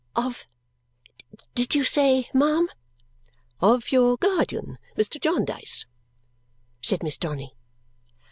"Of did you say, ma'am?" "Of your guardian, Mr. Jarndyce," said Miss Donny.